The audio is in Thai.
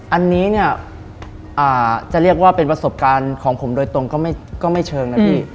อันนี้เนี่ยจะเรียกว่าเป็นประสบการณ์ของผมโดยตรงก็ไม่เชิงนะพี่